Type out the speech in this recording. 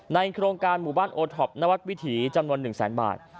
ในกรงการหมู่บ้านโอทอปนวัดวิถีจำนวน๑๐๐๐๐๐บาท